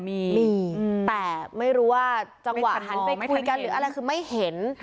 มีมีแต่ไม่รู้ว่าจังหวะหันไปคุยกันหรืออะไรคือไม่เห็น